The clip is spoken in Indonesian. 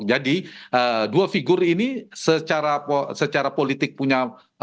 jadi dua figur ini secara politik punya